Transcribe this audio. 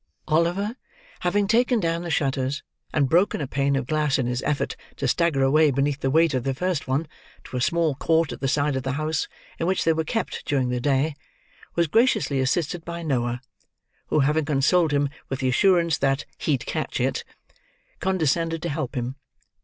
Oliver, having taken down the shutters, and broken a pane of glass in his effort to stagger away beneath the weight of the first one to a small court at the side of the house in which they were kept during the day, was graciously assisted by Noah: who having consoled him with the assurance that "he'd catch it," condescended to help him.